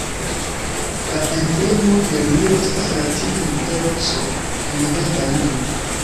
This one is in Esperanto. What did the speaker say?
La emblemo de linio estas latina litero "C" en verda ringo.